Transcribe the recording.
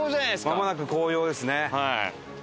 まもなく紅葉ですね。